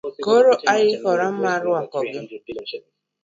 Koro aikora mar rwakogi